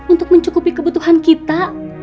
untuk mencukupi kebutuhan kita